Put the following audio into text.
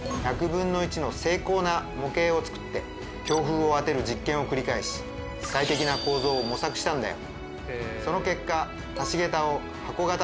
１００分の１の精巧な模型をつくって強風を当てる実験を繰り返し最適な構造を模索したんだよ。